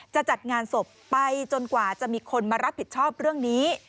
จะจัดงานศพไปจนกว่าจะมีคนมารับผิดชอบเรื่องนี้